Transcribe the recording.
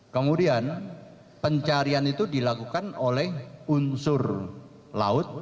kemudian pencarian itu dilakukan oleh unsur laut